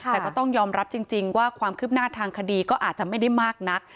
แต่ก็ต้องยอมรับจริงว่าความคืบหน้าทางคดีก็อาจจะไม่ได้มากนัก